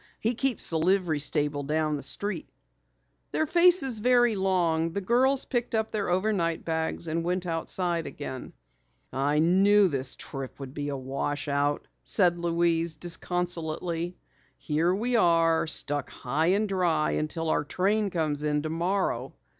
He keeps the livery stable down the street." Their faces very long, the girls picked up their overnight bags and went outside again. "I knew this trip would be a wash out," said Louise disconsolately. "Here we are, stuck high and dry until our train comes in tomorrow."